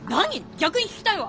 逆に聞きたいわ。